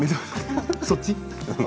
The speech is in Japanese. そっち？